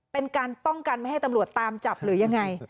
เป็นการป้องกันไม่ให้ตำรวจตามจับหรือยังไง